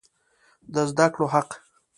د زده کړو حق